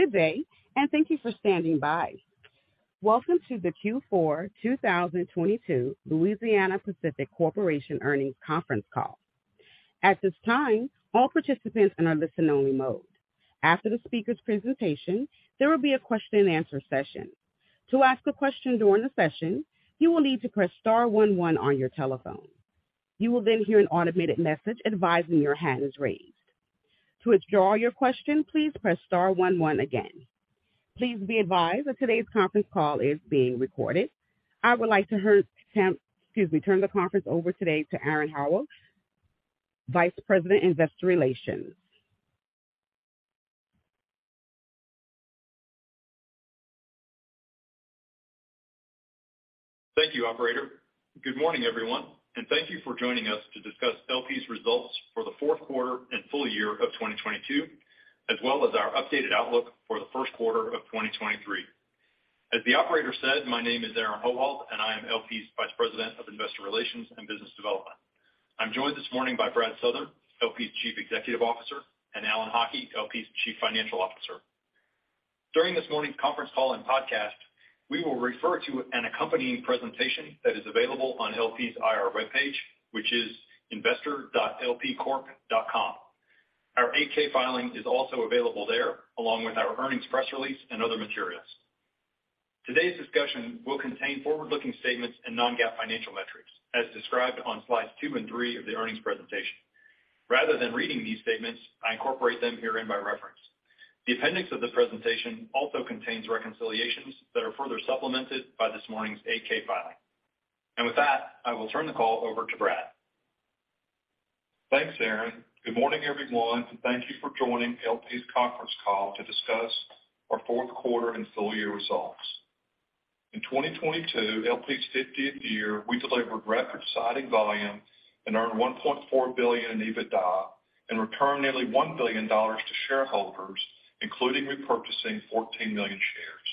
Good day. Thank you for standing by. Welcome to the Q4 2022 Louisiana-Pacific Corporation Earnings Conference Call. At this time, all participants are in listen-only mode. After the speaker's presentation, there will be a question-and-answer session. To ask a question during the session, you will need to press star one one on your telephone. You will hear an automated message advising your hand is raised. To withdraw your question, please press star one one again. Please be advised that today's conference call is being recorded. I would like to excuse me, turn the conference over today to Aaron Howald, Vice President, Investor Relations. Thank you, operator. Good morning, everyone. Thank you for joining us to discuss LP's results for the fourth quarter and full year of 2022, as well as our updated outlook for the first quarter of 2023. As the operator said, my name is Aaron Howald, and I am LP's Vice President of Investor Relations and Business Development. I'm joined this morning by Brad Southern, LP's Chief Executive Officer, and Alan Haughie, LP's Chief Financial Officer. During this morning's conference call and podcast, we will refer to an accompanying presentation that is available on LP's IR webpage, which is investor.lpcorp.com. Our Form 8-K filing is also available there, along with our earnings press release and other materials. Today's discussion will contain forward-looking statements and non-GAAP financial metrics as described on slides 2 and 3 of the earnings presentation. Rather than reading these statements, I incorporate them herein by reference. The appendix of this presentation also contains reconciliations that are further supplemented by this morning's 8-K filing. With that, I will turn the call over to Brad. Thanks, Aaron. Good morning, everyone, and thank you for joining LP's conference call to discuss our fourth quarter and full year results. In 2022, LP's 50th year, we delivered record siding volume and earned $1.4 billion in EBITDA and returned nearly $1 billion to shareholders, including repurchasing 14 million shares.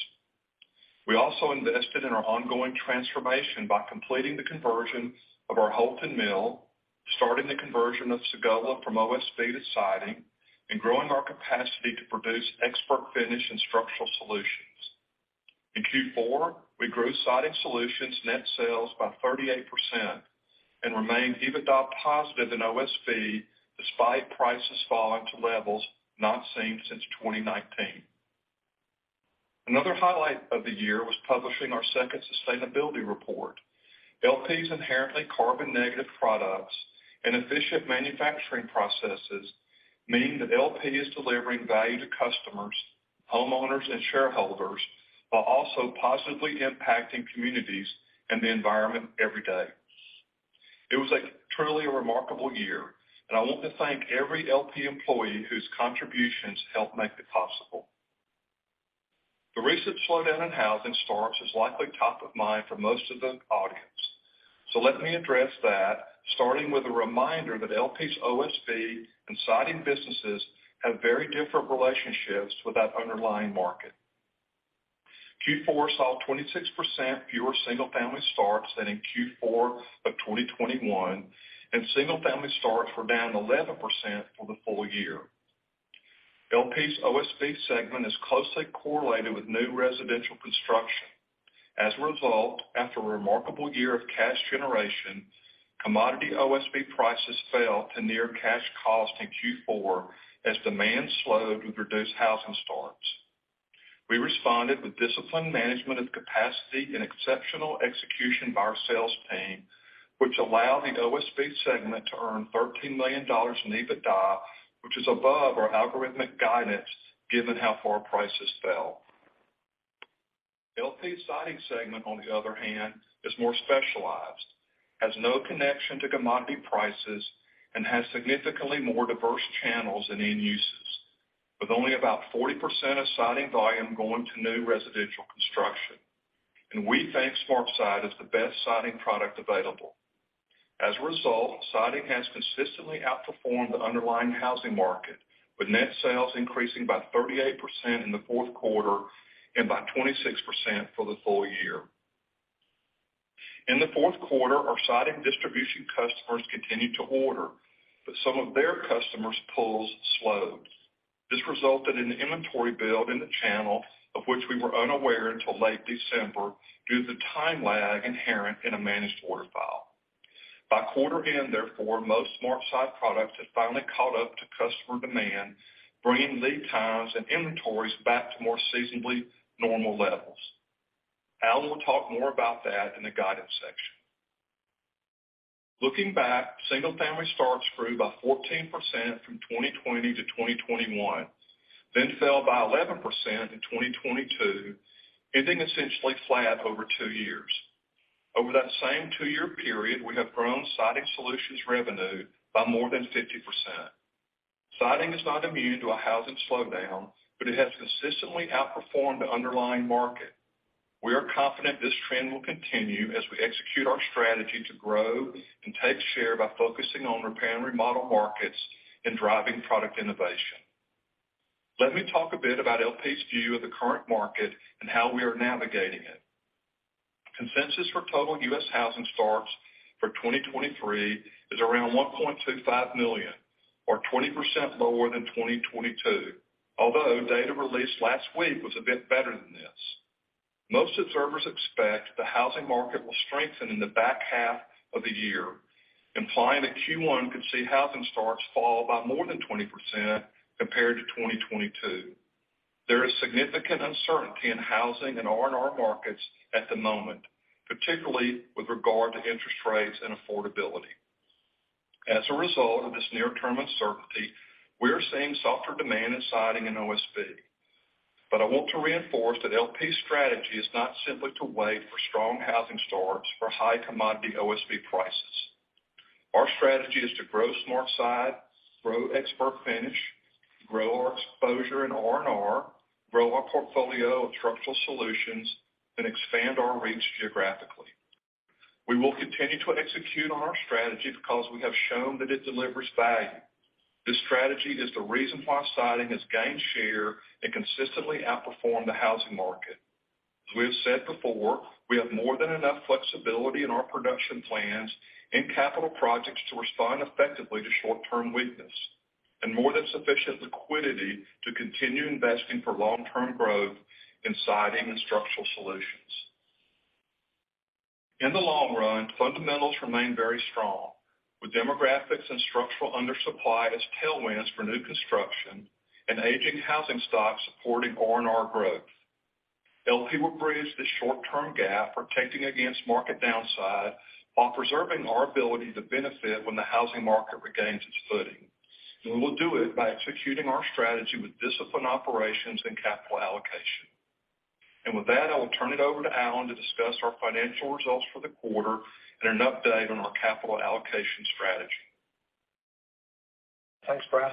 We also invested in our ongoing transformation by completing the conversion of our Houlton mill, starting the conversion of Sagola from OSB to siding, and growing our capacity to produce ExpertFinish and Structural Solutions. In Q4, we grew Siding Solutions net sales by 38% and remained EBITDA positive in OSB despite prices falling to levels not seen since 2019. Another highlight of the year was publishing our second sustainability report. LP's inherently carbon-negative products and efficient manufacturing processes mean that LP is delivering value to customers, homeowners, and shareholders, while also positively impacting communities and the environment every day. It was a truly remarkable year, and I want to thank every LP employee whose contributions helped make it possible. The recent slowdown in housing starts is likely top of mind for most of the audience. Let me address that, starting with a reminder that LP's OSB and Siding businesses have very different relationships with that underlying market. Q4 saw 26% fewer single-family starts than in Q4 of 2021, and single-family starts were down 11% for the full year. LP's OSB segment is closely correlated with new residential construction. As a result, after a remarkable year of cash generation, commodity OSB prices fell to near cash cost in Q4 as demand slowed with reduced housing starts. We responded with disciplined management of capacity and exceptional execution by our sales team, which allowed the OSB segment to earn $13 million in EBITDA, which is above our algorithmic guidance given how far prices fell. LP's Siding segment, on the other hand, is more specialized, has no connection to commodity prices, and has significantly more diverse channels and end uses, with only about 40% of Siding volume going to new residential construction. We think SmartSide is the best Siding product available. As a result, Siding has consistently outperformed the underlying housing market, with net sales increasing by 38% in the fourth quarter and by 26% for the full year. In the fourth quarter, our Siding distribution customers continued to order, but some of their customers' pulls slowed. This resulted in an inventory build in the channel of which we were unaware until late December, due to the time lag inherent in a managed order file. By quarter end, therefore, most LP SmartSide products have finally caught up to customer demand, bringing lead times and inventories back to more seasonably normal levels. Alan will talk more about that in the guidance section. Looking back, single family starts grew by 14% from 2020 to 2021, then fell by 11% in 2022, ending essentially flat over two years. Over that same two-year period, we have grown Siding Solutions revenue by more than 50%. Siding is not immune to a housing slowdown, but it has consistently outperformed the underlying market. We are confident this trend will continue as we execute our strategy to grow and take share by focusing on repair and remodel markets and driving product innovation. Let me talk a bit about LP's view of the current market and how we are navigating it. Consensus for total U.S. housing starts for 2023 is around 1.25 million or 20% lower than 2022. Although data released last week was a bit better than this. Most observers expect the housing market will strengthen in the back half of the year, implying that Q1 could see housing starts fall by more than 20% compared to 2022. There is significant uncertainty in housing and R&R markets at the moment, particularly with regard to interest rates and affordability. As a result of this near-term uncertainty, we are seeing softer demand in Siding and OSB. I want to reinforce that LP's strategy is not simply to wait for strong housing starts for high commodity OSB prices. Our strategy is to grow SmartSide, grow ExpertFinish, grow our exposure in R&R, grow our portfolio of Structural Solutions, and expand our reach geographically. We will continue to execute on our strategy because we have shown that it delivers value. This strategy is the reason why Siding has gained share and consistently outperformed the housing market. As we have said before, we have more than enough flexibility in our production plans and capital projects to respond effectively to short-term weakness and more than sufficient liquidity to continue investing for long-term growth in Siding and Structural Solutions. In the long run, fundamentals remain very strong. With demographics and structural undersupply as tailwinds for new construction and aging housing stock supporting R&R growth. LP will bridge the short-term gap, protecting against market downside while preserving our ability to benefit when the housing market regains its footing. We will do it by executing our strategy with disciplined operations and capital allocation. With that, I will turn it over to Alan to discuss our financial results for the quarter and an update on our capital allocation strategy. Thanks, Brad.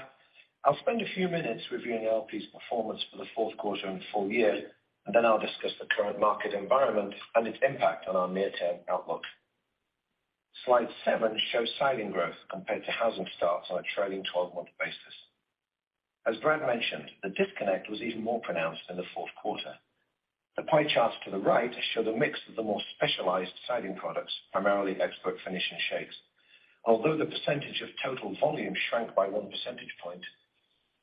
I'll spend a few minutes reviewing LP's performance for the fourth quarter and full year, then I'll discuss the current market environment and its impact on our near-term outlook. Slide 7 shows Siding growth compared to housing starts on a trailing 12-month basis. As Brad mentioned, the disconnect was even more pronounced in the fourth quarter. The pie charts to the right show the mix of the more specialized Siding products, primarily ExpertFinish and Shakes. Although the percentage of total volume shrank by 1 percentage point,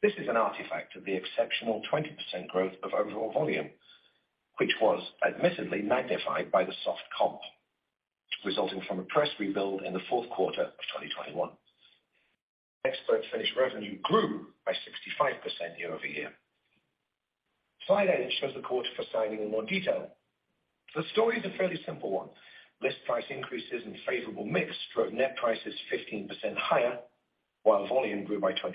this is an artifact of the exceptional 20% growth of overall volume, which was admittedly magnified by the soft comp, resulting from a press rebuild in the fourth quarter of 2021. ExpertFinish revenue grew by 65% year-over-year. Slide 8 shows the quarter for Siding in more detail. The story is a fairly simple one. List price increases and favorable mix drove net prices 15% higher while volume grew by 20%.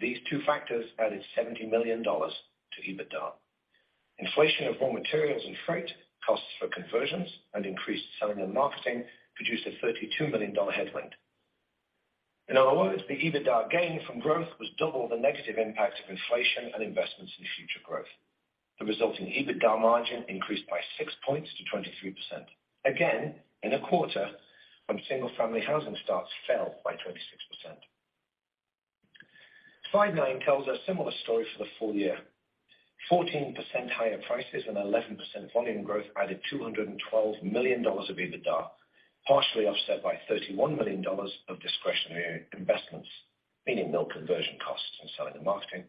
These two factors added $70 million to EBITDA. Inflation of raw materials and freight costs for conversions and increased selling and marketing produced a $32 million headwind. In other words, the EBITDA gain from growth was double the negative impact of inflation and investments in future growth. The resulting EBITDA margin increased by 6 points to 23%. Again, in a quarter when single-family housing starts fell by 26%. Slide 9 tells a similar story for the full year. 14% higher prices and 11% volume growth added $212 million of EBITDA, partially offset by $31 million of discretionary investments, meaning no conversion costs in selling and marketing.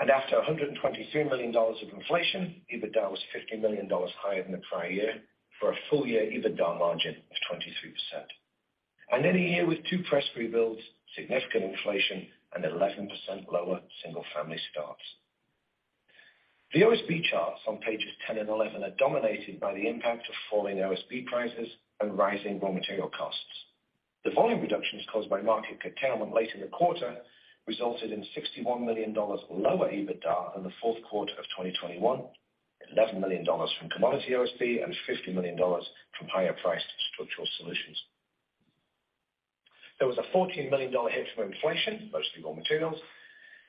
After $123 million of inflation, EBITDA was $50 million higher than the prior year for a full-year EBITDA margin of 23%. In a year with two press rebuilds, significant inflation, and 11% lower single-family starts. The OSB charts on pages 10 and 11 are dominated by the impact of falling OSB prices and rising raw material costs. The volume reductions caused by market curtailment late in the quarter resulted in $61 million lower EBITDA than the fourth quarter of 2021, $11 million from commodity OSB and $50 million from higher-priced Structural Solutions. There was a $14 million hit from inflation, mostly raw materials,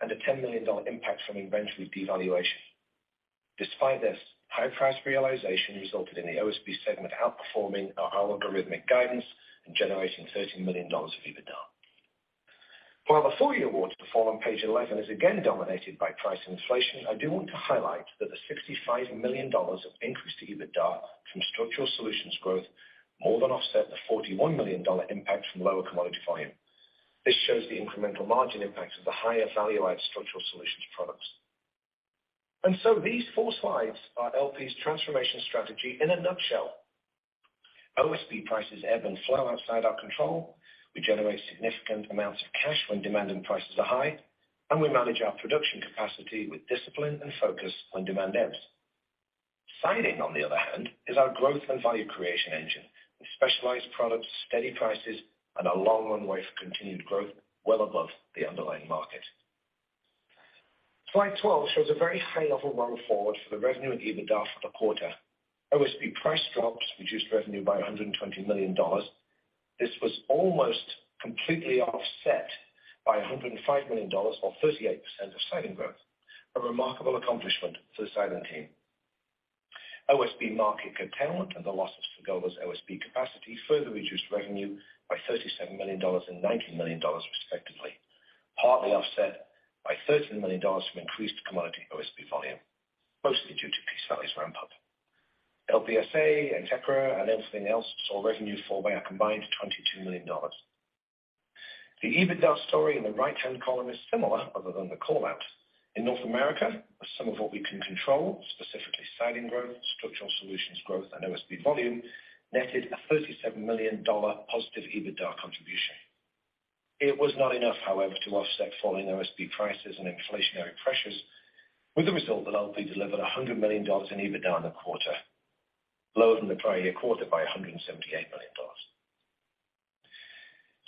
and a $10 million impact from inventory devaluation. Despite this, higher price realization resulted in the OSB segment outperforming our algorithmic guidance and generating $13 million of EBITDA. While the full-year water perform on page 11 is again dominated by price inflation, I do want to highlight that the $65 million of increase to EBITDA from Structural Solutions growth more than offset the $41 million impact from lower commodity volume. This shows the incremental margin impact of the higher value-added Structural Solutions products. These 4 slides are LP's transformation strategy in a nutshell. OSB prices ebb and flow outside our control. We generate significant amounts of cash when demand and prices are high, and we manage our production capacity with discipline and focus when demand ebbs. Siding, on the other hand, is our growth and value creation engine with specialized products, steady prices, and a long runway for continued growth well above the underlying market. Slide 12 shows a very high-level roll forward for the revenue and EBITDA for the quarter. OSB price drops reduced revenue by $120 million. This was almost completely offset by $105 million or 38% of Siding growth, a remarkable accomplishment for the Siding team. OSB market curtailment and the losses for Golden's OSB capacity further reduced revenue by $37 million and $19 million respectively. Partly offset by $13 million from increased commodity OSB volume, mostly due to Peace Valley's ramp-up. LPSA, etc. and everything else saw revenue fall by a combined $22 million. The EBITDA story in the right-hand column is similar, other than the call-outs. In North America, the sum of what we can control, specifically Siding growth, Structural Solutions growth, and OSB volume, netted a $37 million positive EBITDA contribution. It was not enough, however, to offset falling OSB prices and inflationary pressures, with the result that LP delivered $100 million in EBITDA in the quarter, lower than the prior year quarter by $178 million.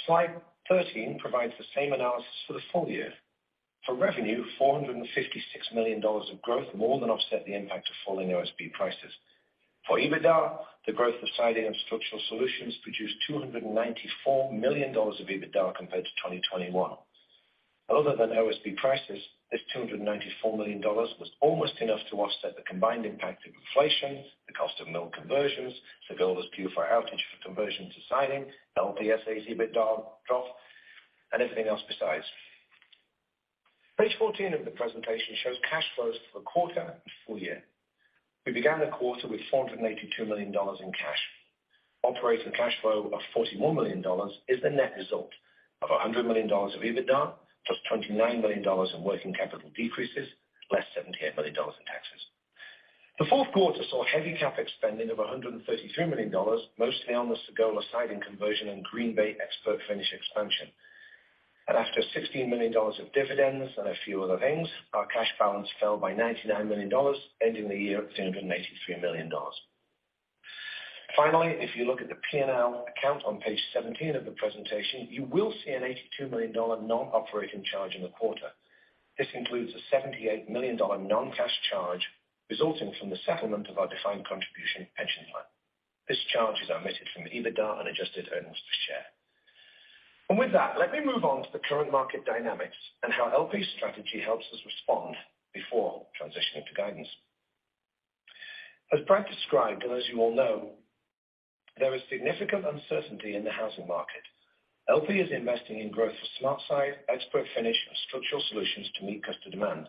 Slide 13 provides the same analysis for the full year. Revenue, $456 million of growth more than offset the impact of falling OSB prices. EBITDA, the growth of Siding and Structural Solutions produced $294 million of EBITDA compared to 2021. Other than OSB prices, this $294 million was almost enough to offset the combined impact of inflation, the cost of mill conversions, the Golas Pewaukee outage for conversion to siding, LPSA's EBITDA drop, and everything else besides. Page 14 of the presentation shows cash flows for quarter and full year. We began the quarter with $482 million in cash. Operating cash flow of $41 million is the net result of $100 million of EBITDA, +$29 million in working capital decreases, less $78 million in taxes. The fourth quarter saw heavy CapEx spending of $133 million, mostly on the Sagola Siding conversion and Green Bay ExpertFinish expansion. After $16 million of dividends and a few other things, our cash balance fell by $99 million, ending the year at $383 million. Finally, if you look at the P&L account on page 17 of the presentation, you will see an $82 million non-operating charge in the quarter. This includes a $78 million non-cash charge resulting from the settlement of our defined contribution pension plan. This charge is omitted from the EBITDA and adjusted earnings per share. With that, let me move on to the current market dynamics and how LP's strategy helps us respond before transitioning to guidance. As Brad described, and as you all know, there is significant uncertainty in the housing market. LP is investing in growth for SmartSide, ExpertFinish, and Structural Solutions to meet customer demand.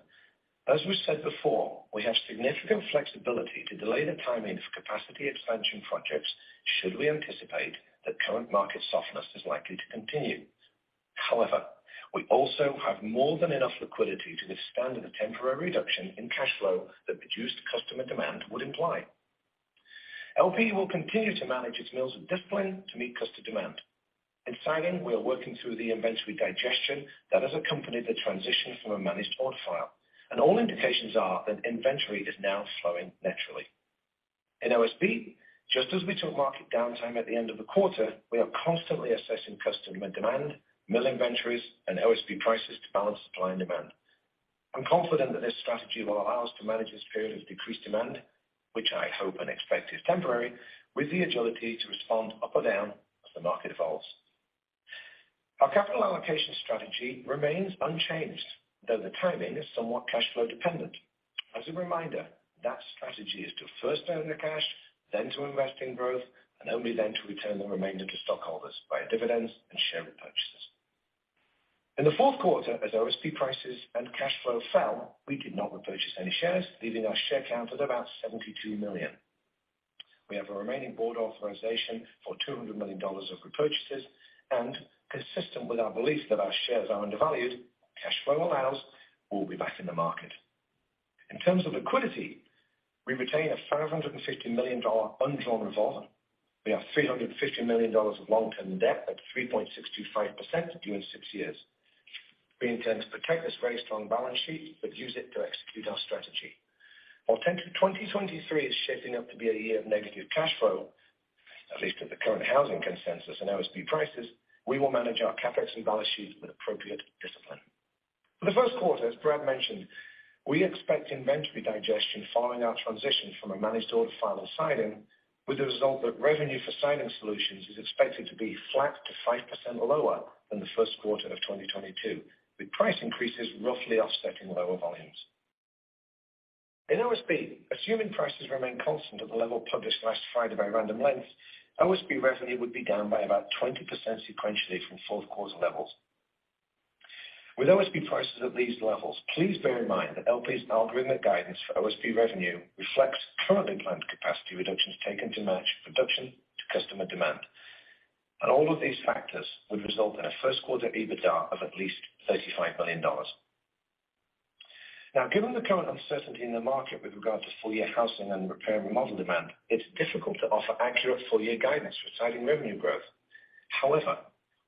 As we said before, we have significant flexibility to delay the timing of capacity expansion projects should we anticipate that current market softness is likely to continue. However, we also have more than enough liquidity to withstand the temporary reduction in cash flow that reduced customer demand would imply. LP will continue to manage its mills with discipline to meet customer demand. In Siding, we are working through the inventory digestion that has accompanied the transition from a managed order file. All indications are that inventory is now flowing naturally. In OSB, just as we took market downtime at the end of the quarter, we are constantly assessing customer demand, milling inventories, and OSB prices to balance supply and demand. I'm confident that this strategy will allow us to manage this period of decreased demand, which I hope and expect is temporary, with the agility to respond up or down as the market evolves. Our capital allocation strategy remains unchanged, though the timing is somewhat cash flow dependent. As a reminder, that strategy is to first earn the cash, then to invest in growth, and only then to return the remainder to stockholders via dividends and share repurchases. In the fourth quarter, as OSB prices and cash flow fell, we did not repurchase any shares, leaving our share count at about 72 million. We have a remaining board authorization for $200 million of repurchases. Consistent with our belief that our shares are undervalued, cash flow allows, we'll be back in the market. In terms of liquidity, we retain a $550 million undrawn revolver. We have $350 million of long-term debt at 3.625% due in 6 years. We intend to protect this very strong balance sheet, but use it to execute our strategy. While 2023 is shaping up to be a year of negative cash flow, at least at the current housing consensus and OSB prices, we will manage our CapEx and balance sheet with appropriate discipline. For the first quarter, as Brad mentioned, we expect inventory digestion following our transition from a managed order file in Siding, with the result that revenue for Siding Solutions is expected to be flat to 5% lower than the first quarter of 2022, with price increases roughly offsetting lower volumes. In OSB, assuming prices remain constant at the level published last Friday by Random Lengths, OSB revenue would be down by about 20% sequentially from fourth quarter levels. With OSB prices at these levels, please bear in mind that LP's algorithmic guidance for OSB revenue reflects currently planned capacity reductions taken to match production to customer demand. All of these factors would result in a first quarter EBITDA of at least $35 million. Given the current uncertainty in the market with regard to full-year housing and repair and remodel demand, it's difficult to offer accurate full-year guidance for Siding revenue growth. However,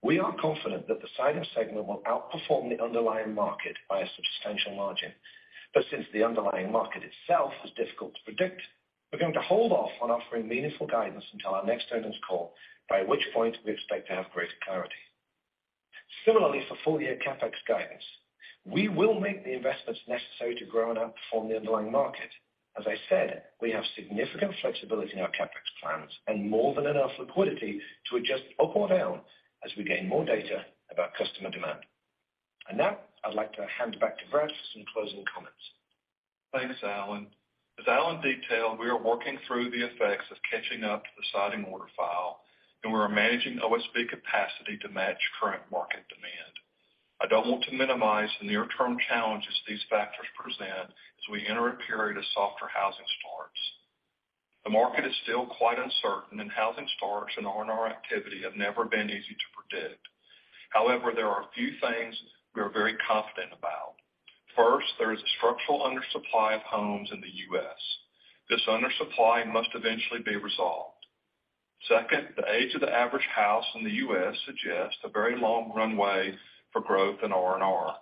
we are confident that the Siding segment will outperform the underlying market by a substantial margin. Since the underlying market itself is difficult to predict, we're going to hold off on offering meaningful guidance until our next earnings call, by which point we expect to have greater clarity. Similarly, for full-year CapEx guidance, we will make the investments necessary to grow and outperform the underlying market. As I said, we have significant flexibility in our CapEx plans and more than enough liquidity to adjust up or down as we gain more data about customer demand. Now I'd like to hand it back to Brad for some closing comments. Thanks, Alan. As Alan detailed, we are working through the effects of catching up to the siding order file, and we're managing OSB capacity to match current market demand. I don't want to minimize the near-term challenges these factors present as we enter a period of softer housing starts. The market is still quite uncertain. Housing starts and R&R activity have never been easy to predict. There are a few things we are very confident about. First, there is a structural undersupply of homes in the U.S. This undersupply must eventually be resolved. Second, the age of the average house in the U.S. suggests a very long runway for growth in R&R.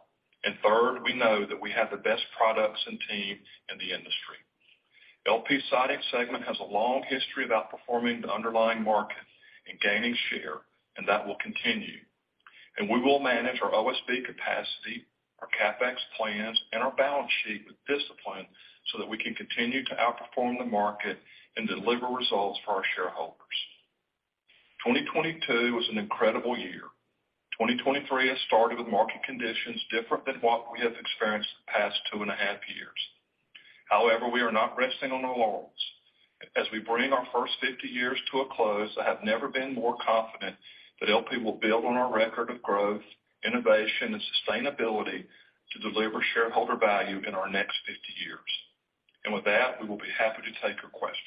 Third, we know that we have the best products and team in the industry. LP Siding segment has a long history of outperforming the underlying market and gaining share, and that will continue. We will manage our OSB capacity, our CapEx plans, and our balance sheet with discipline so that we can continue to outperform the market and deliver results for our shareholders. 2022 was an incredible year. 2023 has started with market conditions different than what we have experienced the past two and a half years. However, we are not resting on our laurels. As we bring our first 50 years to a close, I have never been more confident that LP will build on our record of growth, innovation and sustainability to deliver shareholder value in our next 50 years. With that, we will be happy to take your questions.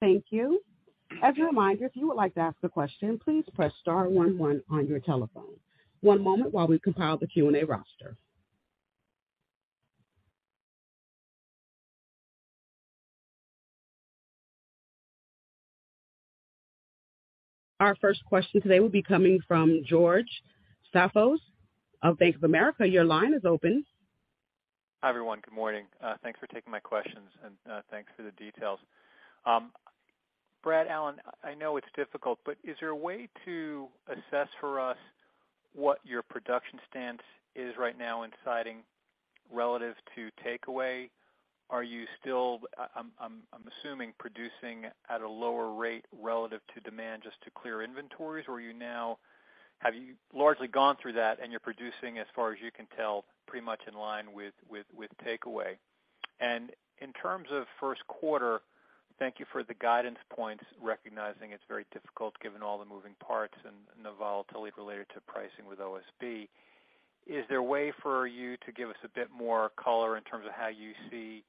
Thank you. As a reminder, if you would like to ask a question, please press star one one on your telephone. One moment while we compile the Q&A roster. Our first question today will be coming from George Staphos of Bank of America. Your line is open. Hi, everyone. Good morning. Thanks for taking my questions and thanks for the details. Brad, Alan, I know it's difficult, but is there a way to assess for us what your production stance is right now in siding relative to takeaway? Are you still, I'm assuming, producing at a lower rate relative to demand just to clear inventories? Or have you largely gone through that and you're producing, as far as you can tell, pretty much in line with takeaway? In terms of first quarter, thank you for the guidance points, recognizing it's very difficult given all the moving parts and the volatility related to pricing with OSB. Is there a way for you to give us a bit more color in terms of how you see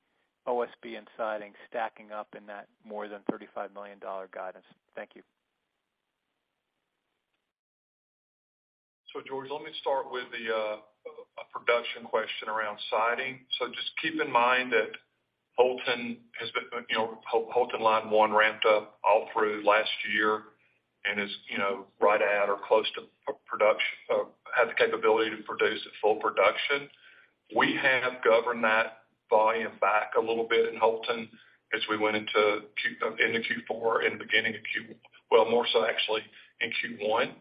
OSB and siding stacking up in that more than $35 million guidance? Thank you. George Staphos, let me start with a production question around siding. Just keep in mind that Houlton has been, you know, Houlton line one ramped up all through last year and is, you know, right at or close to full production. Has the capability to produce at full production. We have governed that volume back a little bit in Houlton as we went into Q4 and beginning of Q. Well, more so actually in Q1.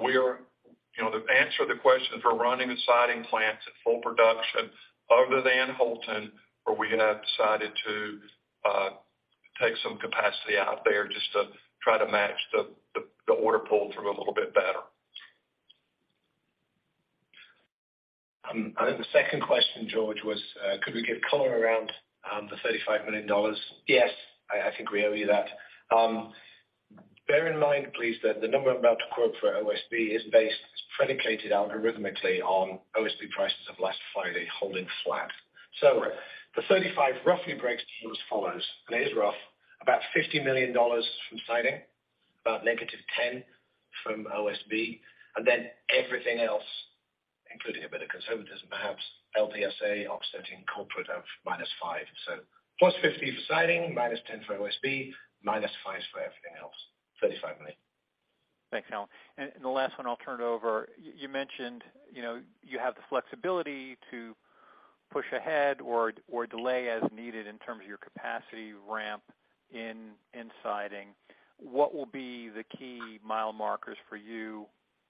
We're, you know, to answer the question, if we're running the siding plants at full production other than Houlton, where we, you know, decided to take some capacity out there just to try to match the order pull through a little bit better. The second question, George, was, could we give color around the $35 million? Yes, I think we owe you that. Bear in mind, please, that the number I'm about to quote for OSB is predicated algorithmically on OSB prices of last Friday holding flat. The 35 roughly breaks down as follows, and it is rough. About $50 million from siding, about -$10 from OSB, and then everything else, including a bit of conservatism, perhaps LPSA, offsetting corporate of -$5. +$50 for siding, -$10 for OSB, -$5 for everything else, $35 million. Thanks, Alan. The last one I'll turn it over. You mentioned, you know, you have the flexibility to push ahead or delay as needed in terms of your capacity ramp in siding. What will be the key mile markers for you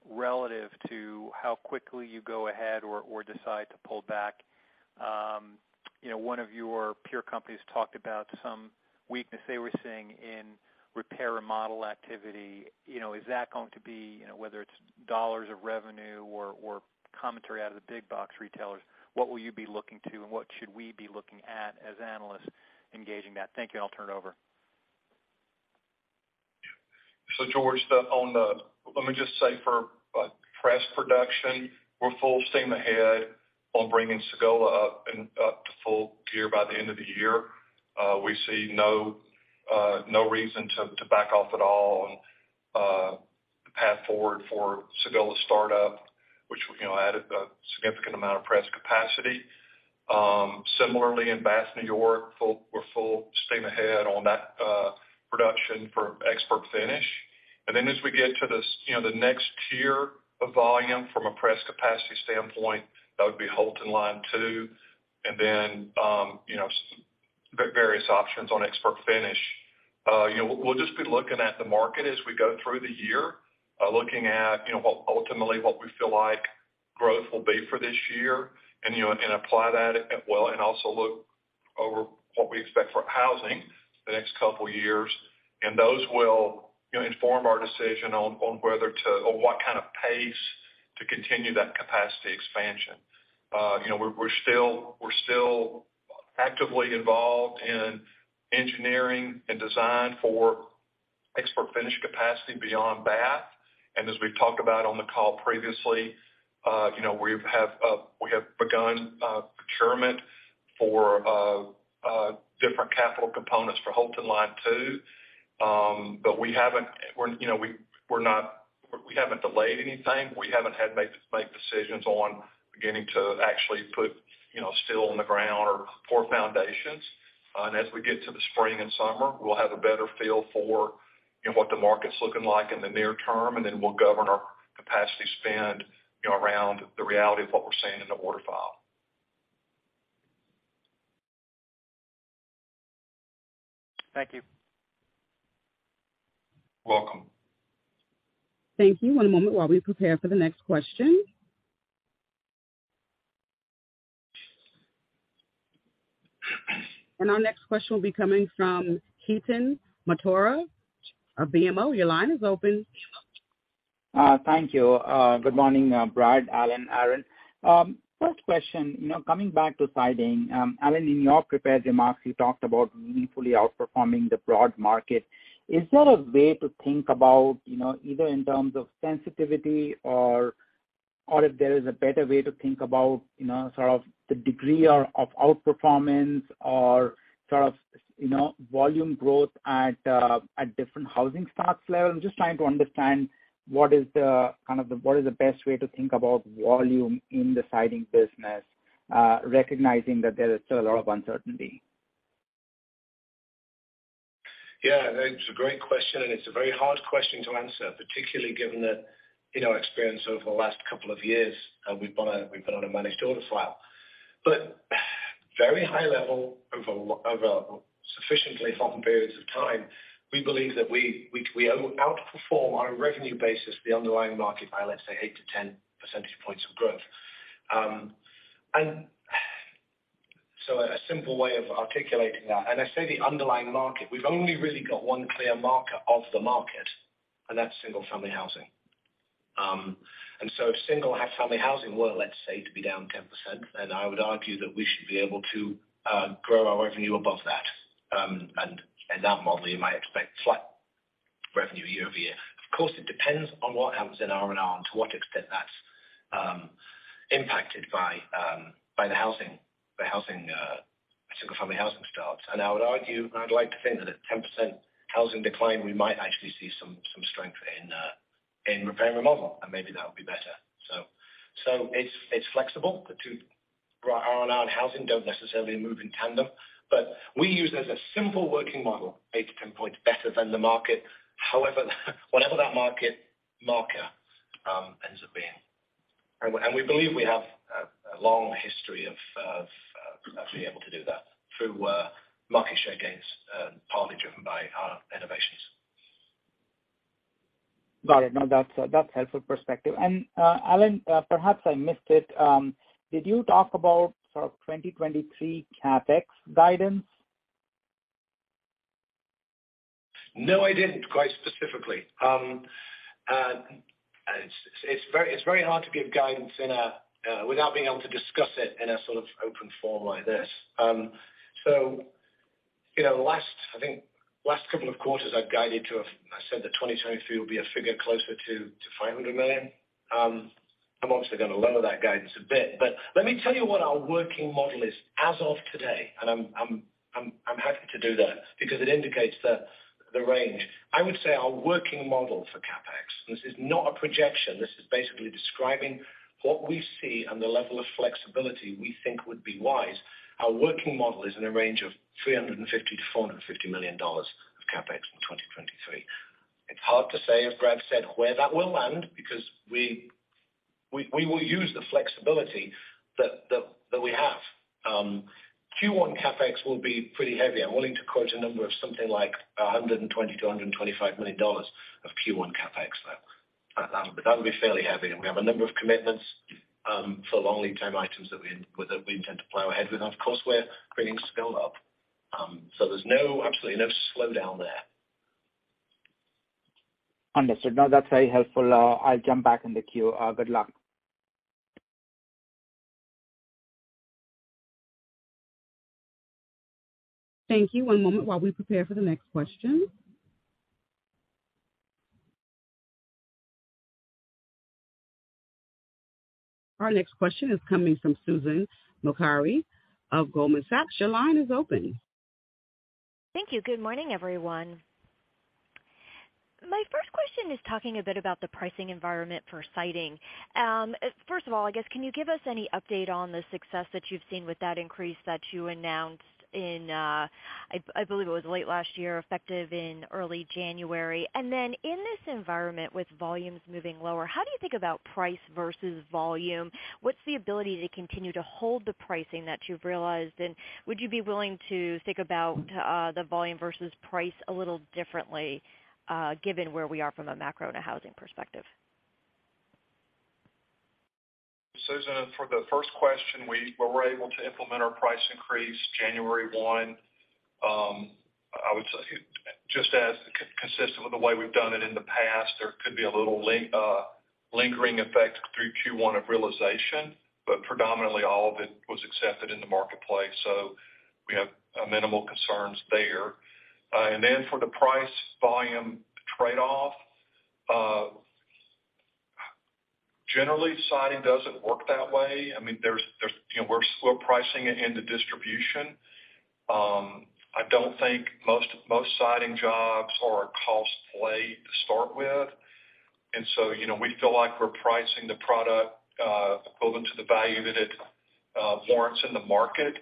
relative to how quickly you go ahead or decide to pull back? You know, one of your peer companies talked about some weakness they were seeing in repair and model activity. You know, is that going to be, you know, whether it's dollars of revenue or commentary out of the big box retailers, what will you be looking to and what should we be looking at as analysts engaging that? Thank you. I'll turn it over. George, let me just say for press production, we're full steam ahead on bringing Sagola up to full gear by the end of the year. We see no reason to back off at all on the path forward for Sagola startup, which, you know, added a significant amount of press capacity. Similarly in Bath, New York, we're full steam ahead on that production for ExpertFinish. As we get to this, you know, the next tier of volume from a press capacity standpoint, that would be Houlton line two, and then, you know, various options on ExpertFinish. You know, we'll just be looking at the market as we go through the year, looking at, you know, what ultimately what we feel like growth will be for this year and, you know, and apply that as well and also look over what we expect for housing the next couple of years, and those will, you know, inform our decision on whether to, or what kind of pace to continue that capacity expansion. You know, we're still actively involved in engineering and design for ExpertFinish capacity beyond that. As we've talked about on the call previously, you know, we have, we have begun procurement for different capital components for Houlton line two. We haven't, you know, we haven't delayed anything. We haven't had to make decisions on beginning to actually put, you know, steel in the ground or pour foundations. As we get to the spring and summer, we'll have a better feel for, you know, what the market's looking like in the near term, and then we'll govern our capacity spend, you know, around the reality of what we're seeing in the order file. Thank you. Welcome. Thank you. One moment while we prepare for the next question. Our next question will be coming from Ketan Mamtora of BMO. Your line is open. Thank you. Good morning, Brad, Alan, Aaron. First question, you know, coming back to siding, Alan, in your prepared remarks, you talked about meaningfully outperforming the broad market. Is there a way to think about, you know, either in terms of sensitivity or if there is a better way to think about, you know, sort of the degree or of outperformance or sort of, you know, volume growth at different housing stocks level? I'm just trying to understand kind of what is the best way to think about volume in the siding business, recognizing that there is still a lot of uncertainty. Yeah, it's a great question, and it's a very hard question to answer, particularly given that, you know, experience over the last couple of years, we've been on a managed order file. Very high level over sufficiently long periods of time, we believe that we outperform on a revenue basis the underlying market by, let's say, 8 to 10 percentage points of growth. A simple way of articulating that, and I say the underlying market, we've only really got one clear marker of the market, and that's single family housing. If single family housing were, let's say, to be down 10%, then I would argue that we should be able to grow our revenue above that. And that model, you might expect slight revenue year-over-year. Of course, it depends on what happens in R&R and to what extent that's impacted by the housing single family housing starts. I would argue, and I'd like to think that at 10% housing decline, we might actually see some strength in repair and remodel, and maybe that would be better. It's flexible. The two, R&R and housing don't necessarily move in tandem, but we use as a simple working model, 8-10 points better than the market, whatever that market marker ends up being. We believe we have a long history of being able to do that through market share gains, partly driven by our innovations. Got it. No, that's helpful perspective. Alan, perhaps I missed it. Did you talk about sort of 2023 CapEx guidance? No, I didn't quite specifically. It's very hard to give guidance in a without being able to discuss it in a sort of open forum like this. You know, I think last couple of quarters I've guided to I said that 2023 will be a figure closer to $500 million. I'm obviously gonna lower that guidance a bit. Let me tell you what our working model is as of today, and I'm happy to do that because it indicates the range. I would say our working model for CapEx, this is not a projection, this is basically describing what we see and the level of flexibility we think would be wise. Our working model is in a range of $350 million-$450 million of CapEx in 2023. It's hard to say, as Brad said, where that will land because we will use the flexibility that we have. Q1 CapEx will be pretty heavy. I'm willing to quote a number of something like $120 million-$125 million of Q1 CapEx though. That would be fairly heavy. We have a number of commitments for long lead time items that we intend to plow ahead with. Of course, we're creating scale up. There's no, absolutely no slowdown there. Understood. No, that's very helpful. I'll jump back in the queue. Good luck. Thank you. One moment while we prepare for the next question. Our next question is coming from Susan Maklari of Goldman Sachs. Your line is open. Thank you. Good morning, everyone. My first question is talking a bit about the pricing environment for siding. First of all, I guess, can you give us any update on the success that you've seen with that increase that you announced in, I believe it was late last year, effective in early January? In this environment with volumes moving lower, how do you think about price versus volume? What's the ability to continue to hold the pricing that you've realized? Would you be willing to think about the volume versus price a little differently, given where we are from a macro and a housing perspective? Susan, for the first question, we were able to implement our price increase January 1. I would say just as consistent with the way we've done it in the past, there could be a little lingering effect through Q1 of realization. Predominantly all of it was accepted in the marketplace, so we have minimal concerns there. For the price volume trade-off, generally siding doesn't work that way. I mean, there's, you know, we're slow pricing it into distribution. I don't think most siding jobs are a cost play to start with. You know, we feel like we're pricing the product equivalent to the value that it warrants in the market.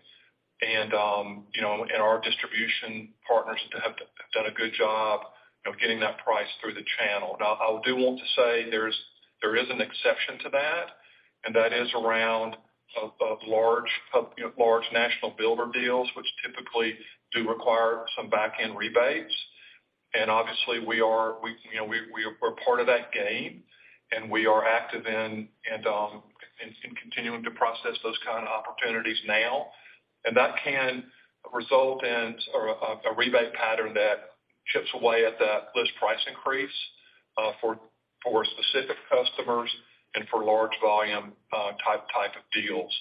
You know, and our distribution partners have done a good job of getting that price through the channel. Now, I do want to say there is an exception to that, and that is around of large national builder deals, which typically do require some back-end rebates. Obviously we are, you know, we're part of that game, and we are active in continuing to process those kind of opportunities now. That can result in, or a rebate pattern that chips away at that list price increase for specific customers and for large volume type of deals.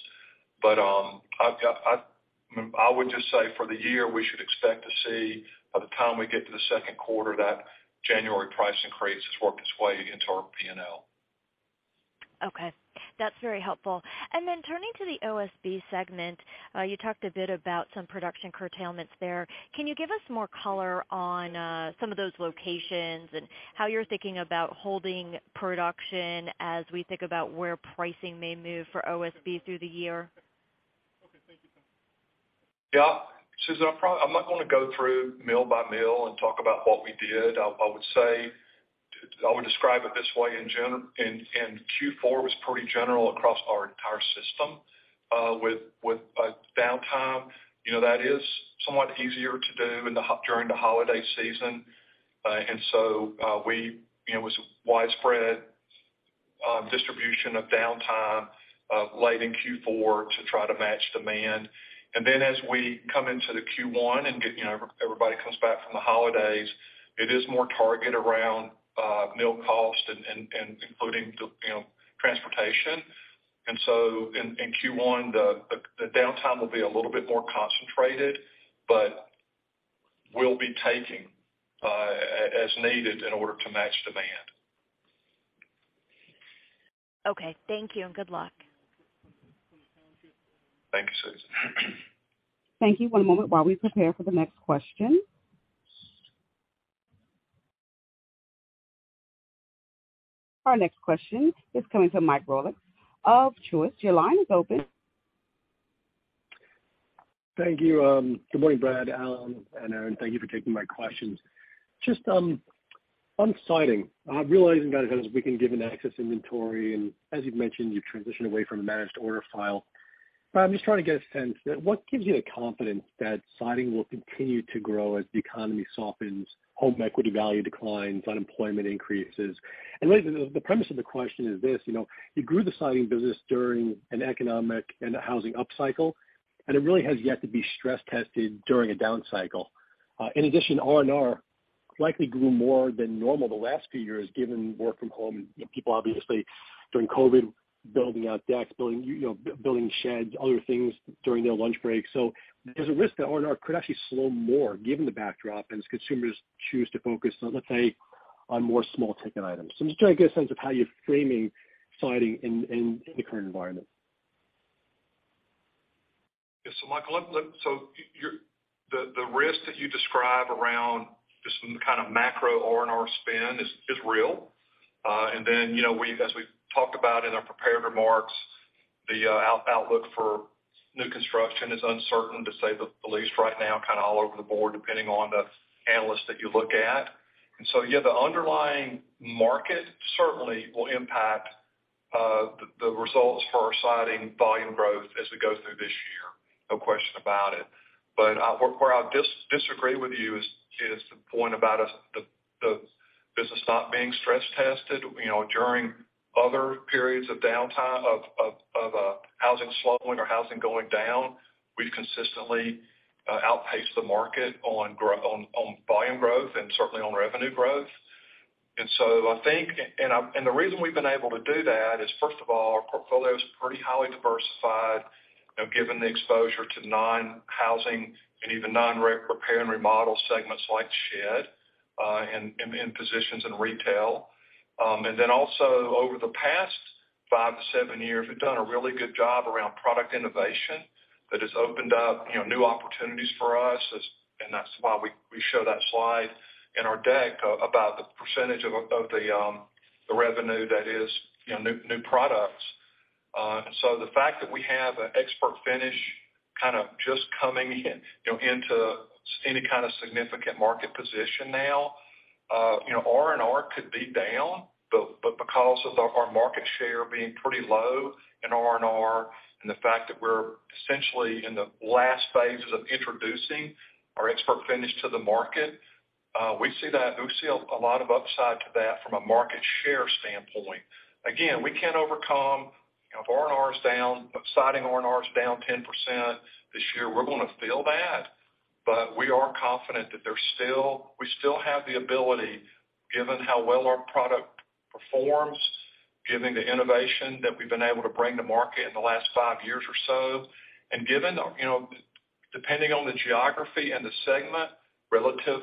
I would just say for the year, we should expect to see by the time we get to the second quarter that January price increase has worked its way into our P&L. Okay, that's very helpful. Turning to the OSB segment, you talked a bit about some production curtailments there. Can you give us more color on some of those locations and how you're thinking about holding production as we think about where pricing may move for OSB through the year? Yeah. Susan Maklari, I'm not going to go through mill by mill and talk about what we did. I would say, I would describe it this way in Q4 was pretty general across our entire system with downtime. You know that is somewhat easier to do during the holiday season. We, you know, it was widespread distribution of downtime late in Q4 to try to match demand. As we come into the Q1 and get, you know, everybody comes back from the holidays, it is more targeted around mill cost and including the, you know, transportation. In Q1, the downtime will be a little bit more concentrated, but we'll be taking as needed in order to match demand. Okay, thank you. Good luck. Thank you, Susan. Thank you. One moment while we prepare for the next question. Our next question is coming from Mike Roxland of Truist Securities. Your line is open. Thank you. Good morning, Brad, Alan, and Aaron. Thank you for taking my questions. On siding. Realizing that as we can give an excess inventory, and as you've mentioned, you transition away from a managed order file. I'm just trying to get a sense that what gives you the confidence that siding will continue to grow as the economy softens, home equity value declines, unemployment increases? The premise of the question is this, you know, you grew the siding business during an economic and a housing upcycle, and it really has yet to be stress tested during a down cycle. In addition, R&R likely grew more than normal the last few years, given work from home, people obviously during COVID, building out decks, building, you know, building sheds, other things during their lunch breaks. There's a risk that R&R could actually slow more given the backdrop as consumers choose to focus on, let's say, on more small-ticket items. I'm just trying to get a sense of how you're framing siding in the current environment. Mike, the risk that you describe around just kind of macro R&R spend is real. You know, as we talked about in our prepared remarks, the outlook for new construction is uncertain to say the least right now, kind of all over the board, depending on the analyst that you look at. Yeah, the underlying market certainly will impact the results for our siding volume growth as we go through this year. No question about it. Where I disagree with you is the point about the business not being stress tested. You know, during other periods of downtime of housing slowing or housing going down, we've consistently outpaced the market on volume growth and certainly on revenue growth. I think, and the reason we've been able to do that is, first of all, our portfolio is pretty highly diversified, you know, given the exposure to non-housing and even non-repair and remodel segments like shed, and positions in retail. Also over the past 5 to 7 years, we've done a really good job around product innovation that has opened up, you know, new opportunities for us, and that's why we show that slide in our deck about the percentage of the revenue that is, you know, new products. The fact that we have an ExpertFinish kind of just coming in, you know, into any kind of significant market position now, you know, R&R could be down, but because of our market share being pretty low in R&R and the fact that we're essentially in the last phases of introducing our ExpertFinish to the market. We see a lot of upside to that from a market share standpoint. We can overcome, you know, if R&R is down, if siding R&R is down 10% this year, we're gonna feel that, but we are confident that we still have the ability, given how well our product performs, given the innovation that we've been able to bring to market in the last 5 years or so, and given, you know, depending on the geography and the segment, relative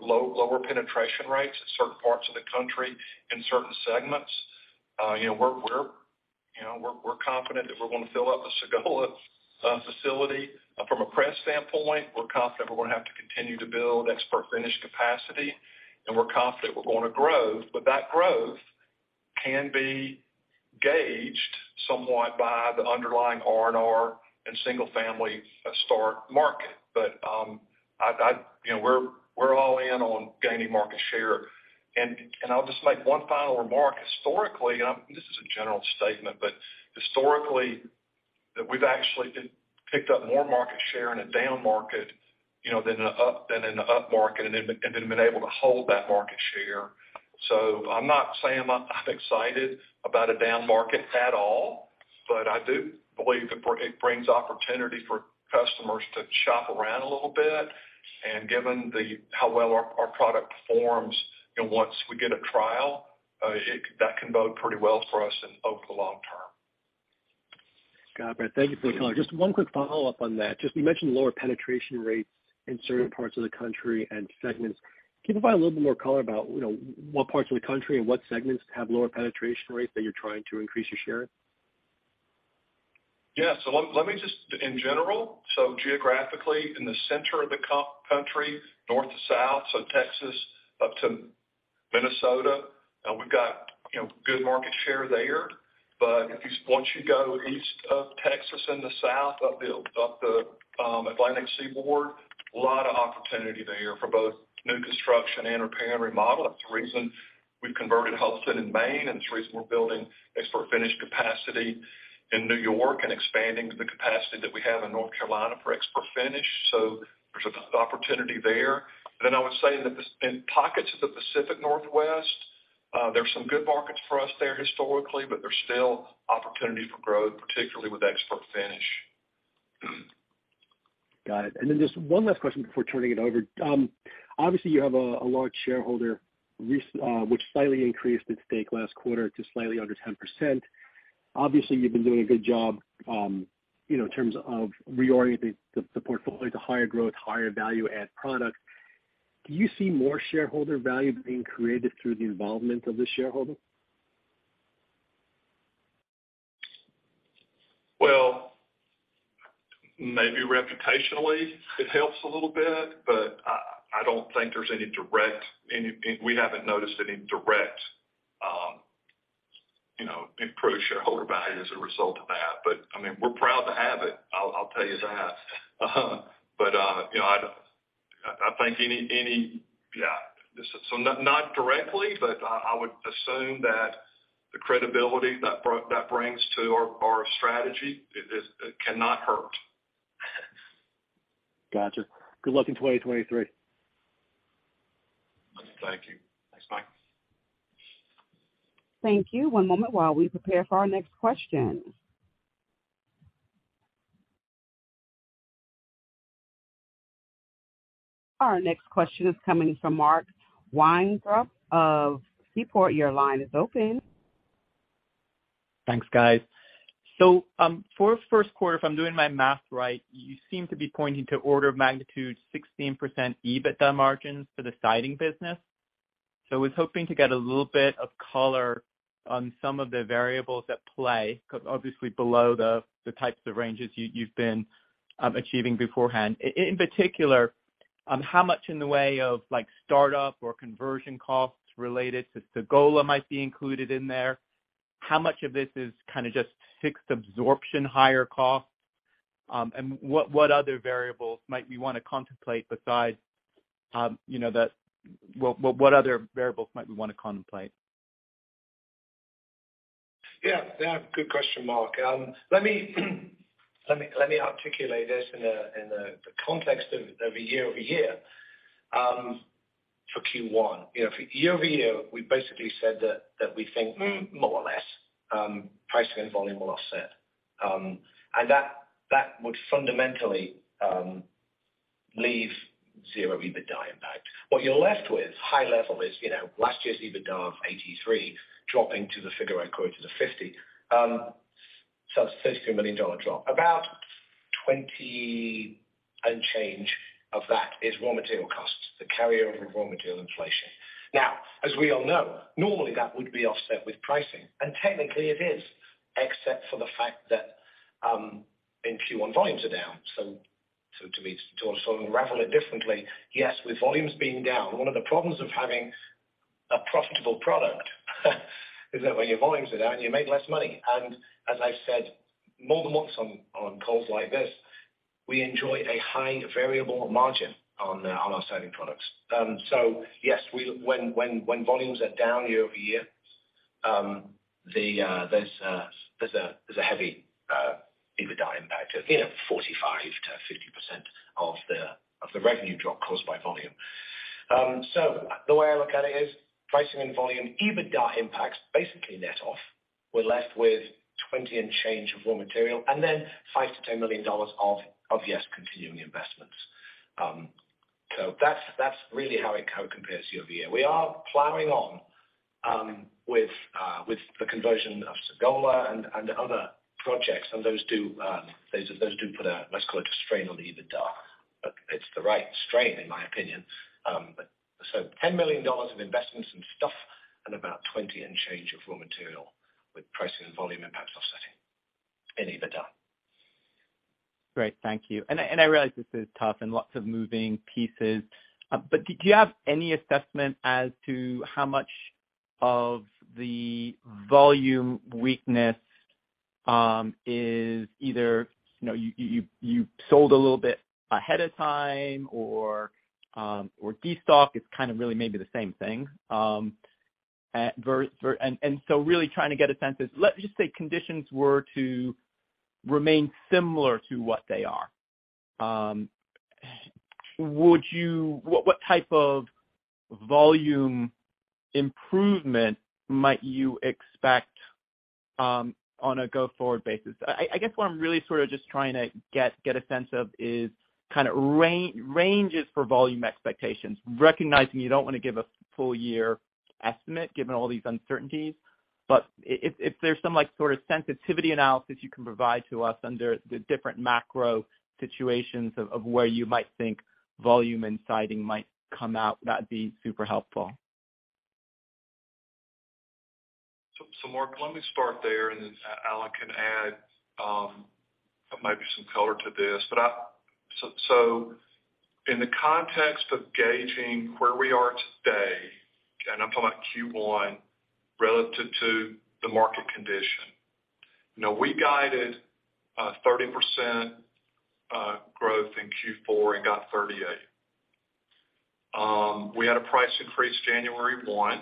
low-lower penetration rates in certain parts of the country, in certain segments. You know, we're confident that we're gonna fill up the Sagola facility. From a press standpoint, we're confident we're gonna have to continue to build ExpertFinish capacity, and we're confident we're gonna grow. That growth can be gauged somewhat by the underlying R&R and single-family start market. I'd, you know, we're all in on gaining market share. I'll just make one final remark. Historically, and this is a general statement, but historically, that we've actually picked up more market share in a down market, you know, than in an up market, and then been able to hold that market share. I'm not saying I'm excited about a down market at all, but I do believe it brings opportunity for customers to shop around a little bit. Given how well our product performs, you know, once we get a trial, that can bode pretty well for us in over the long term. Got it. Thank you for the color. One quick follow-up on that. You mentioned lower penetration rates in certain parts of the country and segments. Can you provide a little bit more color about, you know, what parts of the country and what segments have lower penetration rates that you're trying to increase your share in? Let me just. In general, geographically, in the center of the country, north to south, Texas up to Minnesota, we've got, you know, good market share there. Once you go east of Texas in the south, up the Atlantic Seaboard, a lot of opportunity there for both new construction and repair and remodel. That's the reason we've converted Houlton in Maine, and it's the reason we're building ExpertFinish capacity in New York and expanding the capacity that we have in North Carolina for ExpertFinish. There's a good opportunity there. I would say in pockets of the Pacific Northwest, there's some good markets for us there historically, but there's still opportunity for growth, particularly with ExpertFinish. Got it. Then just one last question before turning it over. Obviously, you have a large shareholder which slightly increased its stake last quarter to slightly under 10%. Obviously, you've been doing a good job, you know, in terms of reorienting the portfolio to higher growth, higher value add product. Do you see more shareholder value being created through the involvement of the shareholder? Maybe reputationally it helps a little bit, but I don't think there's any direct we haven't noticed any direct, you know, improved shareholder value as a result of that. I mean, we're proud to have it, I'll tell you that. You know, I think any. Yeah. Not directly, but I would assume that the credibility that brings to our strategy, it cannot hurt. Gotcha. Good luck in 2023. Thank you. Thanks, Mike. Thank you. One moment while we prepare for our next question. Our next question is coming from Mark Weintraub of Seaport. Your line is open. Thanks, guys. For first quarter, if I'm doing my math right, you seem to be pointing to order of magnitude 16% EBITDA margins for the siding business. I was hoping to get a little bit of color on some of the variables at play, 'cause obviously below the types of ranges you've been achieving beforehand. In particular, how much in the way of like start-up or conversion costs related to Sagola might be included in there? How much of this is kinda just fixed absorption higher costs? What other variables might we wanna contemplate? Yeah. Good question, Mark. Let me articulate this in a context of a year-over-year for Q1. You know, year-over-year, we basically said that we think more or less, pricing and volume will offset. That would fundamentally leave zero EBITDA impact. What you're left with, high level, is, you know, last year's EBITDA of $83 million dropping to the figure I quoted of $50 million. So it's a $32 million drop. About $20 and change of that is raw material costs, the carryover raw material inflation. As we all know, normally that would be offset with pricing, and technically it is, except for the fact that, in Q1, volumes are down. to sort of unravel it differently, yes, with volumes being down, one of the problems of having a profitable product is that when your volumes are down, you make less money. As I've said more than once on calls like this, we enjoy a high variable margin on our siding products. yes, when volumes are down year-over-year, there's a heavy EBITDA impact of, you know, 45%-50% of the revenue drop caused by volume. The way I look at it is pricing and volume, EBITDA impacts basically net off. We're left with 20 and change of raw material, and then $5 million-$10 million of yes, continuing investments. That's really how it compares year-over-year. We are plowing on with the conversion of Sagola and other projects. Those do put a, let's call it a strain on the EBITDA. It's the right strain, in my opinion. $10 million of investments in stuff and about $20 and change of raw material with pricing volume impact offsetting in EBITDA. Great. Thank you. I realize this is tough and lots of moving pieces. Did you have any assessment as to how much of the volume weakness is either, you know, you sold a little bit ahead of time or destock is kind of really maybe the same thing. Really trying to get a sense is let's just say conditions were to remain similar to what they are. What type of volume improvement might you expect on a go-forward basis? I guess what I'm really sort of just trying to get a sense of is kinda range, ranges for volume expectations, recognizing you don't wanna give a full year estimate given all these uncertainties. If there's some, like, sort of sensitivity analysis you can provide to us under the different macro situations of where you might think volume and siding might come out, that'd be super helpful. Mark, let me start there, and then Alan can add, maybe some color to this. In the context of gauging where we are today, and I'm talking about Q1 relative to the market condition. We guided 30% growth in Q4 and got 38%. We had a price increase January 1.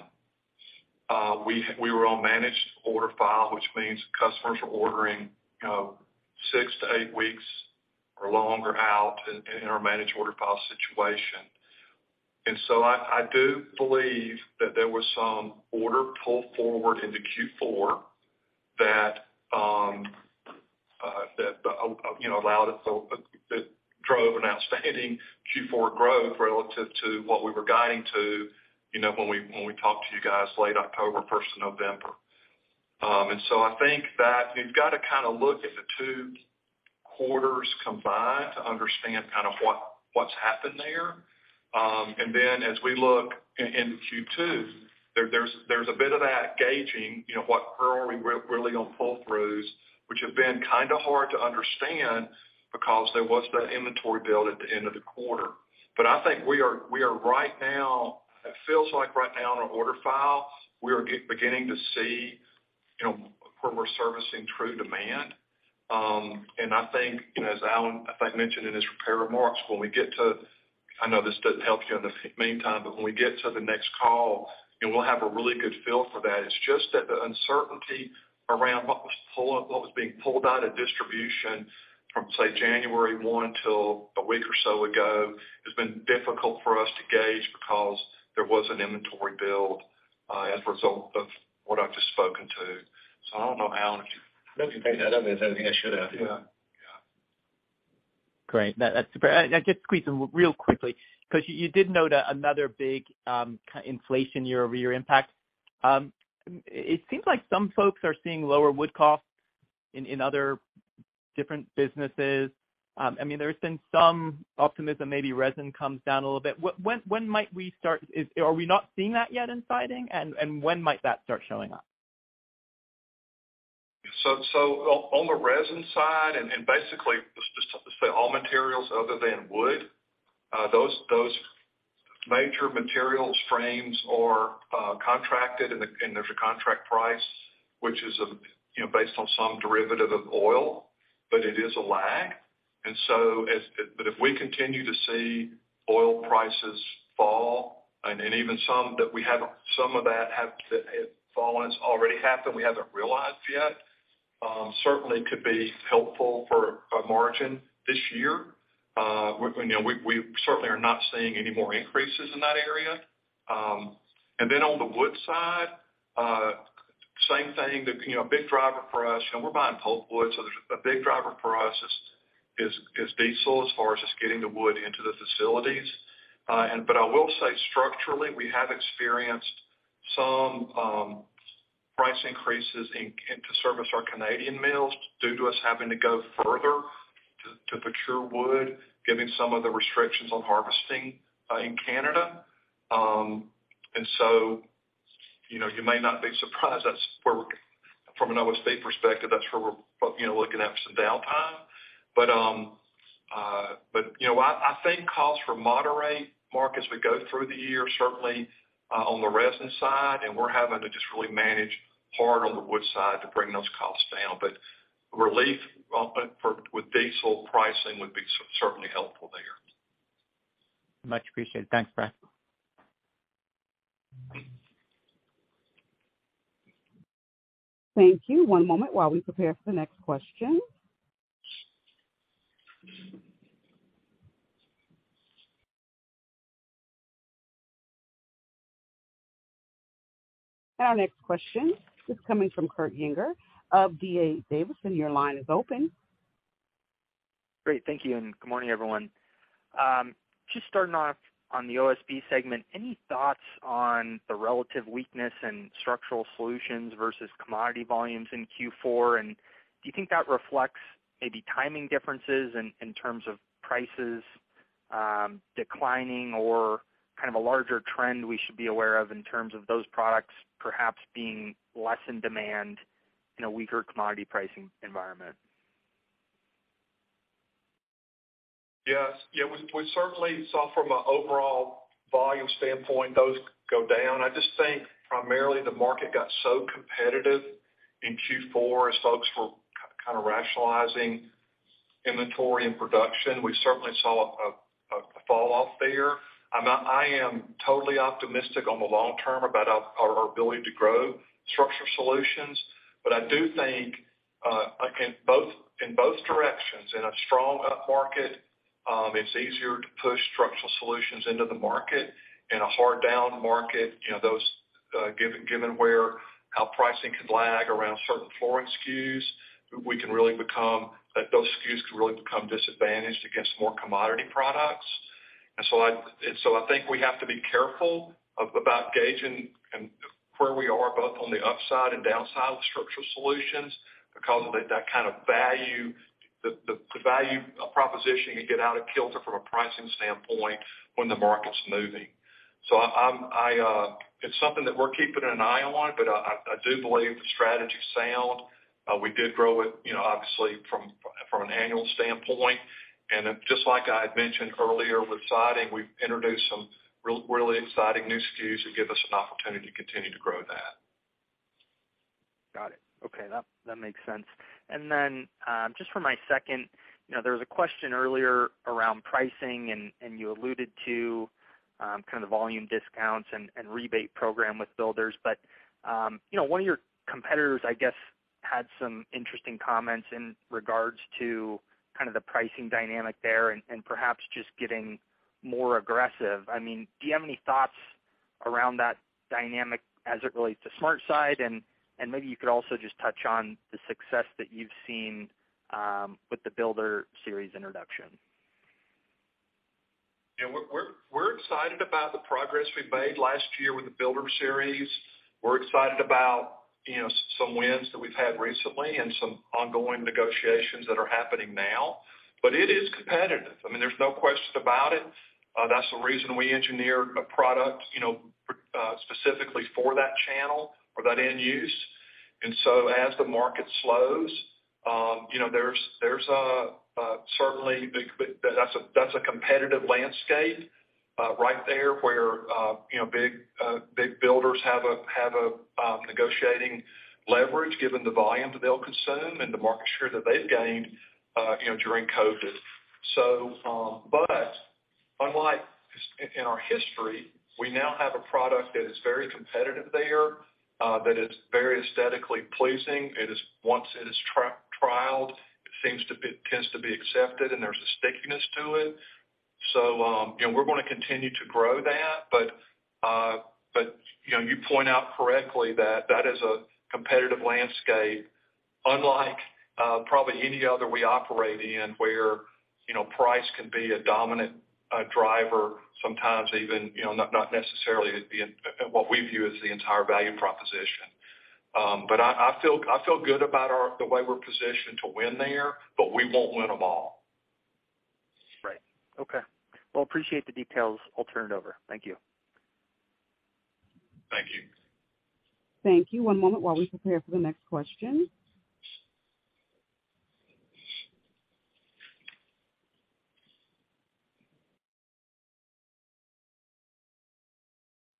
We were on managed order file, which means customers were ordering, you know, 6 to 8 weeks or longer out in our managed order file situation. I do believe that there was some order pulled forward into Q4 that, you know, allowed us that drove an outstanding Q4 growth relative to what we were guiding to, you know, when we talked to you guys late October, first of November. I think that you've gotta kind of look at the two quarters combined to understand kind of what's happened there. As we look into Q2, there's a bit of that gauging, you know, what are we really on pull-throughs, which have been kind of hard to understand because there was that inventory build at the end of the quarter. I think we are right now, it feels like right now in our order file, we are beginning to see, you know, where we're servicing true demand. I think, you know, as Alan, I think, mentioned in his prepared remarks, when we get to... I know this doesn't help you in the meantime, but when we get to the next call, and we'll have a really good feel for that. It's just that the uncertainty around what was being pulled out at distribution from, say, January 1 till a week or so ago, has been difficult for us to gauge because there was an inventory build, as a result of what I've just spoken to. I don't know, Alan, if you. No, I think that covers anything I should add. Yeah. Yeah. Great. That's super. Just squeeze in real quickly, because you did note another big, kinda inflation year-over-year impact. I mean, there's been some optimism, maybe resin comes down a little bit. Are we not seeing that yet in siding? When might that start showing up? On the resin side, and basically just say all materials other than wood, those major materials frames are contracted and there's a contract price, which is, you know, based on some derivative of oil, but it is a lag. If we continue to see oil prices fall and even some of that have fallen, it's already happened, we haven't realized yet, certainly could be helpful for our margin this year. We, you know, we certainly are not seeing any more increases in that area. Then on the wood side, same thing. The, you know, big driver for us, you know, we're buying pulpwood, so there's a big driver for us is diesel as far as just getting the wood into the facilities. I will say structurally, we have experienced some price increases in, to service our Canadian mills due to us having to go further to procure wood, given some of the restrictions on harvesting in Canada. So, you know, you may not be surprised From an OSB perspective, that's where we're, you know, looking at for some downtime. You know, I think costs for moderate Mark as we go through the year, certainly on the resin side, and we're having to just really manage hard on the wood side to bring those costs down. Relief, for, with diesel pricing would be certainly helpful there. Much appreciated. Thanks, Brad. Thank you. One moment while we prepare for the next question. Our next question is coming from Kurt Yinger of D.A. Davidson. Your line is open. Great. Thank you, and good morning, everyone. Just starting off on the OSB segment, any thoughts on the relative weakness in structural solutions versus commodity volumes in Q4? Do you think that reflects maybe timing differences in terms of prices, declining or kind of a larger trend we should be aware of in terms of those products perhaps being less in demand in a weaker commodity pricing environment? Yes. Yeah, we certainly saw from an overall volume standpoint, those go down. I just think primarily the market got so competitive in Q4 as folks were kind of rationalizing inventory and production. We certainly saw a falloff there. I am totally optimistic on the long term about our ability to grow LP Structural Solutions. I do think, again, both, in both directions in a strong upmarket, it's easier to push LP Structural Solutions into the market. In a hard down market, you know, those, given where our pricing can lag around certain flooring SKUs, those SKUs can really become disadvantaged against more commodity products. I think we have to be careful of about gauging and where we are both on the upside and downside of the Structural Solutions because of that kind of value, the value proposition can get out of kilter from a pricing standpoint when the market's moving. I'm, I, it's something that we're keeping an eye on, but I do believe the strategy's sound. We did grow it, you know, obviously from an annual standpoint. Just like I had mentioned earlier with siding, we've introduced some really exciting new SKUs that give us an opportunity to continue to grow that. Got it. Okay. That, that makes sense. Just for my second, you know, there was a question earlier around pricing, and you alluded to kind of volume discounts and rebate program with builders. You know, one of your competitors, I guess, had some interesting comments in regards to kind of the pricing dynamic there and perhaps just getting more aggressive. I mean, do you have any thoughts around that dynamic as it relates to SmartSide? And maybe you could also just touch on the success that you've seen with the LP BuilderSeries introduction. Yeah. We're excited about the progress we made last year with the LP BuilderSeries. We're excited about, you know, some wins that we've had recently and some ongoing negotiations that are happening now. It is competitive. I mean, there's no question about it. That's the reason we engineered a product, you know, specifically for that channel or that end use. As the market slows, you know, there's certainly that's a competitive landscape right there where, you know, big builders have a negotiating leverage given the volume that they'll consume and the market share that they've gained, you know, during COVID. Unlike in our history, we now have a product that is very competitive there, that is very aesthetically pleasing. Once it is trialed, it tends to be accepted, and there's a stickiness to it. You know, we're gonna continue to grow that. You know, you point out correctly that that is a competitive landscape, unlike, probably any other we operate in where, you know, price can be a dominant driver, sometimes even, you know, not necessarily the, what we view as the entire value proposition. I feel good about the way we're positioned to win there, but we won't win them all. Right. Okay. Well, appreciate the details. I'll turn it over. Thank you. Thank you. Thank you. One moment while we prepare for the next question.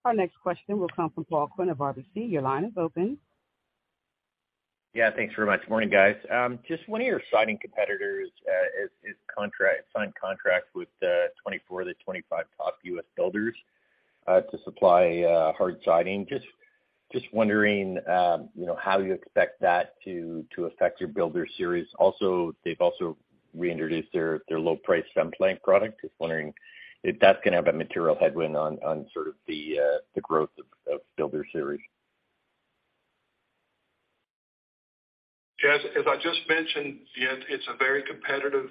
Our next question will come from Paul Quinn of RBC. Your line is open. Yeah, thanks very much. Morning, guys. Just one of your siding competitors signed contract with 24-25 top U.S. builders to supply hard siding. Just wondering, you know, how you expect that to affect your LP BuilderSeries. Also, they've reintroduced their low-priced Cemplank product. Just wondering if that's gonna have a material headwind on sort of the growth of LP BuilderSeries. As I just mentioned, yeah, it's a very competitive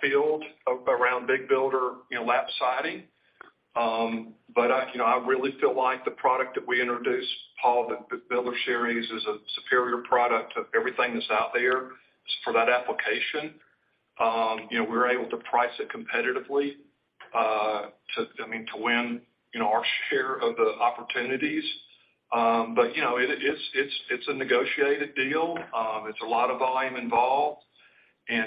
field around big builder, you know, lap siding. I, you know, I really feel like the product that we introduced, Paul, the LP BuilderSeries, is a superior product of everything that's out there for that application. You know, we're able to price it competitively to, I mean, to win, you know, our share of the opportunities. You know, it's a negotiated deal. It's a lot of volume involved. You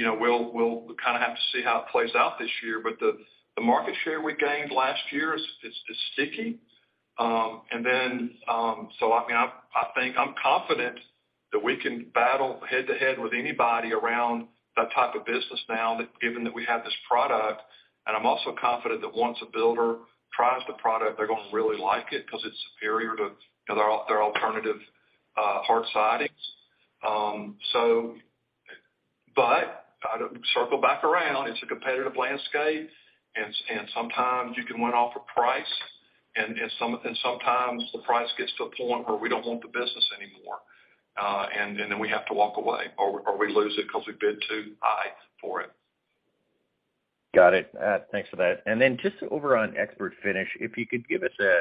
know, we'll kind of have to see how it plays out this year. The market share we gained last year is sticky. I mean, I think I'm confident that we can battle head to head with anybody around that type of business now that given that we have this product, and I'm also confident that once a builder tries the product, they're gonna really like it because it's superior to their alternative hard sidings. To circle back around, it's a competitive landscape and sometimes you can win off of price and sometimes the price gets to a point where we don't want the business anymore, and then we have to walk away or we lose it 'cause we bid too high for it. Got it. Thanks for that. Then just over on ExpertFinish, if you could give us an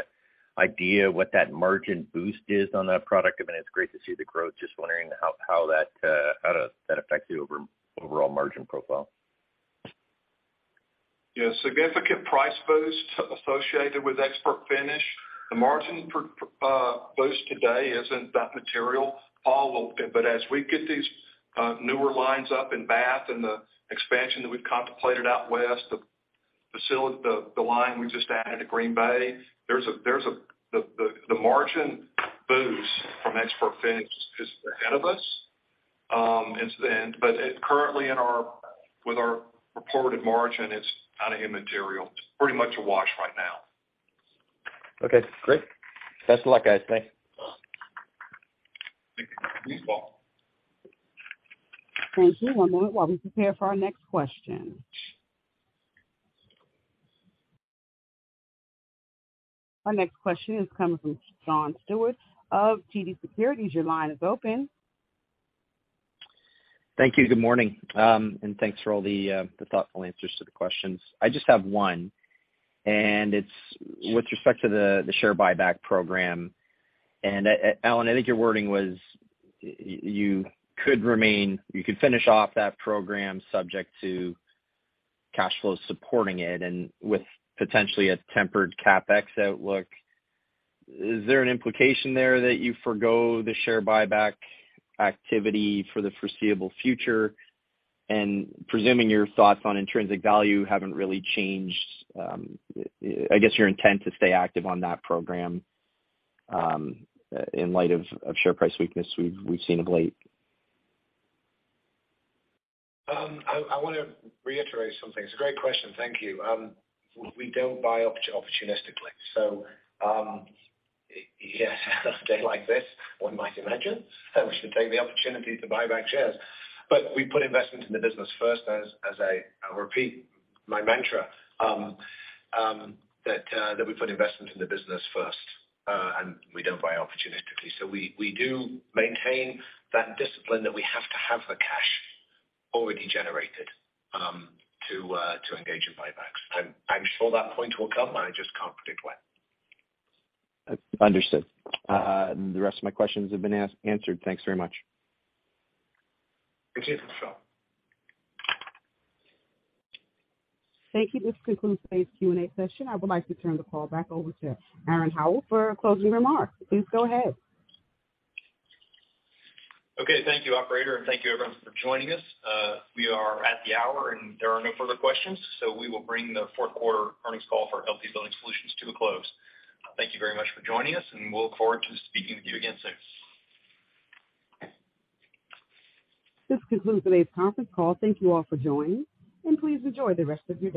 idea what that margin boost is on that product. I mean, it's great to see the growth. Just wondering how that, how does that affect the overall margin profile. Yeah. Significant price boost associated with ExpertFinish. The margin per boost today isn't that material. As we get these newer lines up in Bath and the expansion that we've contemplated out west, the line we just added to Green Bay, there's a... The margin boost from ExpertFinish is ahead of us. It currently in our, with our reported margin, it's kinda immaterial. It's pretty much a wash right now. Okay, great. Best of luck, guys. Thanks. Thank you. Thank you. One moment while we prepare for our next question. Our next question is coming from Sean Steuart of TD Securities. Your line is open. Thank you. Good morning. Thanks for all the thoughtful answers to the questions. I just have one. It's with respect to the share buyback program. Alan, I think your wording was you could finish off that program subject to cash flows supporting it and with potentially a tempered CapEx outlook. Is there an implication there that you forgo the share buyback activity for the foreseeable future? Presuming your thoughts on intrinsic value haven't really changed, I guess your intent to stay active on that program in light of share price weakness we've seen of late. I wanna reiterate something. It's a great question. Thank you. We don't buy opportunistically. Yes, a day like this, one might imagine that we should take the opportunity to buy back shares. We put investments in the business first, as I repeat my mantra, that we put investments in the business first, and we don't buy opportunistically. We do maintain that discipline that we have to have the cash already generated to engage in buybacks. I'm sure that point will come, and I just can't predict when. Understood. The rest of my questions have been asked, answered. Thanks very much. Thank you, Sean. Thank you. This concludes today's Q&A session. I would like to turn the call back over to Aaron Howald for closing remarks. Please go ahead. Okay. Thank you, operator, and thank you everyone for joining us. We are at the hour. There are no further questions. We will bring the fourth quarter earnings call for LP Building Solutions to a close. Thank you very much for joining us. We'll look forward to speaking with you again soon. This concludes today's conference call. Thank you all for joining, and please enjoy the rest of your day.